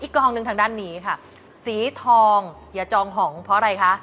กองหนึ่งทางด้านนี้ค่ะสีทองอย่าจองหองเพราะอะไรคะ